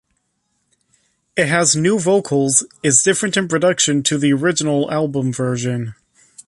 It has new vocals is different in production to the original album version.